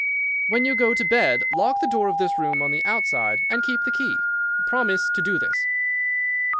"When you go to bed lock the door of this room on the outside and keep the key. Promise to do this."